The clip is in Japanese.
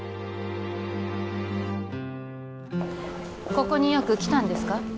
ここによく来たんですか？